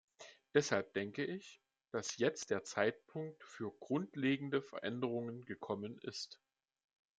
Deshalb denke ich, dass jetzt der Zeitpunkt für grundlegende Veränderungen gekommen ist.